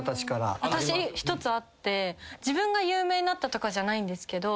私１つあって自分が有名になったとかじゃないんですけど。